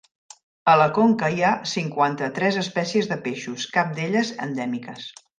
A la conca hi ha cinquanta-tres espècies de peixos, cap d'elles endèmiques.